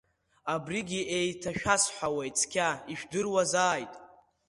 Абригьы еиҭашәасҳәахуеит, цқьа ижәдыруазааит.